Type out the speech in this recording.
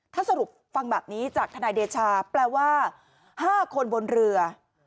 ถ้าสรุปฟังแบบนี้จากทนายเดชาแปลว่า๕คนบนเรือ